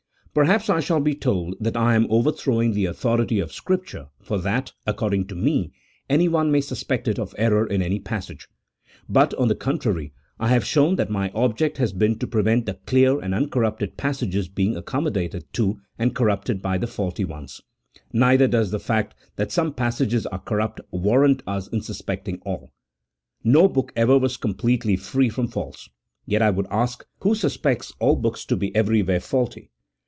Perhaps I shall be told that I am overthrowing the authority of Scripture, for that, according to me, anyone may suspect it of error in any passage ; but, on the con trary, I have shown that my object has been to prevent the clear and uncorrupted passages being accommodated to and corrupted by the faulty ones ; neither does the fact that some passages are corrupt warrant us in suspecting all. No book ever was completely free from faults, yet I would ask, who suspects all books to be every where faulty?